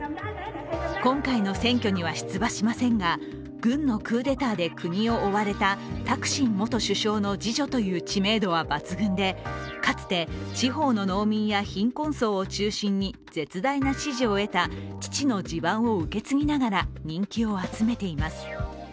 今回の選挙には出馬しませんが軍のクーデターで国を追われたタクシン元首相の次女という知名度は抜群で、かつて地方の農民や貧困層を中心に絶大な支持を得た父の地盤を受け継ぎながら人気を集めています。